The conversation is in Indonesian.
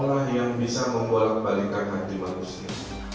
allah yang bisa membalikkan hati manusia